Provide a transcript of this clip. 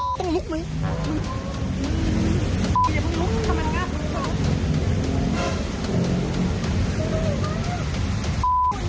ต้องลุกมั้ย